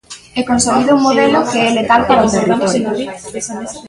E consolida un modelo que é letal para o territorio.